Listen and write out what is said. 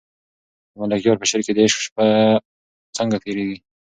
د ملکیار په شعر کې د عشق شپه څنګه تېرېږي؟